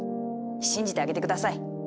信じてあげて下さい。